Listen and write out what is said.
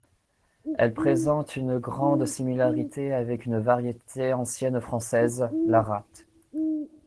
Elle présente une grande similarité avec une variété ancienne française, la Ratte.